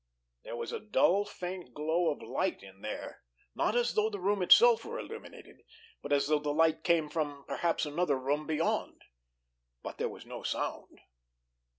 There was a dull, faint glow of light in there, not as though the room itself were illuminated, but as though the light came from, perhaps, another room beyond. But there was no sound.